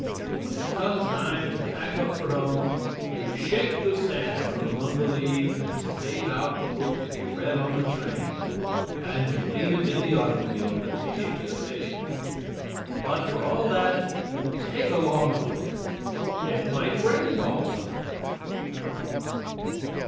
When it comes time to pack up for home, you shake the sand from among the leaves and save out the book to be read on the train. And you leave it in the automobile that takes you to the station. But for all that, "take along a book." It might rain all summer.